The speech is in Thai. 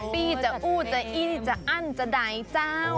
ปี้จะอู้จะอี้นจะอั้นจะใดเจ้า